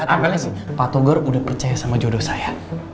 apalagi pak togar sudah percaya sama jodoh saya